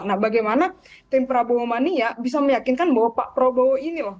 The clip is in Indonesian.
nah bagaimana tim prabowo mania bisa meyakinkan bahwa pak prabowo ini loh